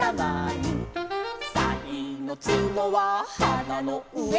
「さいのつのははなの上」